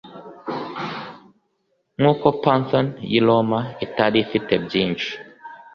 Nkuko Pantheon yi Roma itari ifite byinshi